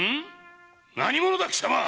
何者だ貴様！